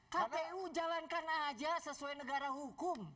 kpu jalankan aja sesuai negara hukum